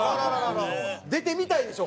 出てみたいでしょ？